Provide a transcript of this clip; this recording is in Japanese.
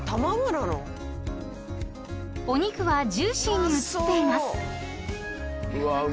［お肉はジューシーに映っています］